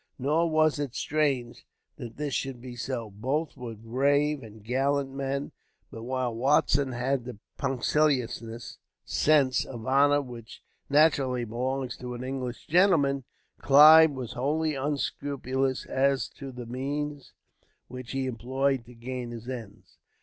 Nor was it strange that this should be so. Both were brave and gallant men; but while Watson had the punctilious sense of honor which naturally belongs to an English gentleman, Clive was wholly unscrupulous as to the means which he employed to gain his ends.